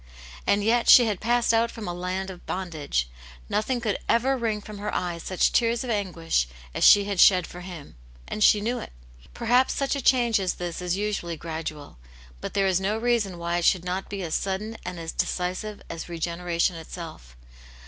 And yet she had passed out from a land of bondage ; nothing could ever wring from her eyes such tears of anguish as she had shed for him ; and she knew it. Perhaps such a change as this is usually gradual. But there is no reason why it should not be as sudden and as decisive as regeneration itself.